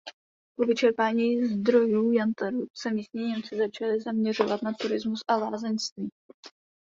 Po vyčerpání zdrojů jantaru se místní Němci začali zaměřovat na turismus a lázeňství.